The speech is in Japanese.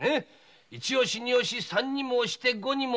一押し二押し三にも押して五にも押す！